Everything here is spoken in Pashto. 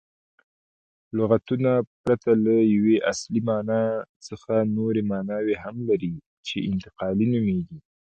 لغتونه پرته له یوې اصلي مانا څخه نوري ماناوي هم لري، چي انتقالي نومیږي.